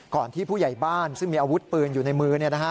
ที่ผู้ใหญ่บ้านซึ่งมีอาวุธปืนอยู่ในมือ